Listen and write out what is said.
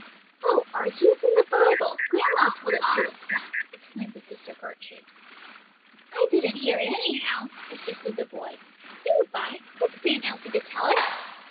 "Oh, Archie, it's in the Bible; grandma told it to us once," exclaimed his sister Gertrude. "I didn't hear it, anyhow," persisted the boy, "do, Vi, coax Aunt Elsie to tell it."